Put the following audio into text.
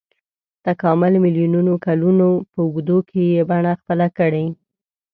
تکامل میلیونونو کلونو په اوږدو کې یې بڼه خپله کړې.